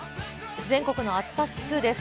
全国の暑さ指数です。